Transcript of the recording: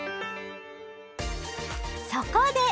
そこで！